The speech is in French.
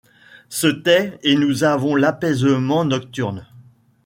Se tait, et nous avons l'apaisement nocturne ;